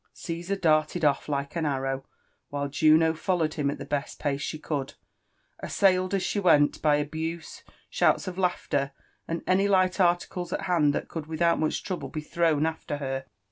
Caesar darted off like an arrow ; while Juno followed him at the best pace she could, assailed as she went by abuse, shottts of laughter, and any Kght articles at hand that could without much trouble be thrown after her.